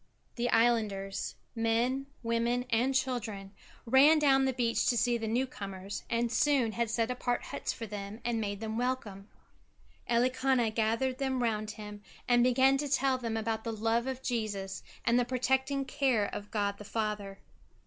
The islanders, men, women, and children, ran down the beach to see the newcomers and soon had set apart huts for them and made them welcome. Elikana gathered them round him, and began to tell them about the love of Jesus and the protecting care of God the Father.